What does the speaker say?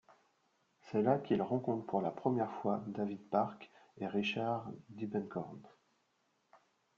C'est là qu'il rencontre pour la première fois David Park et Richard Diebenkorn.